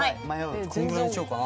こんぐらいにしようかな。